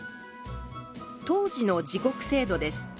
当時の時刻制度です。